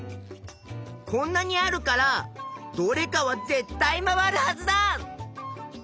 こんなにあるからどれかはぜったい回るはずだ！